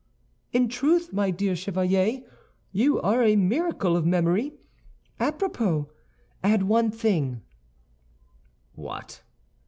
"In truth, my dear Chevalier, you are a miracle of memory. A propos, add one thing—" "What?"